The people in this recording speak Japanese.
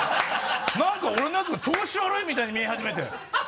何か俺のやつが調子悪いみたいに見え始めて。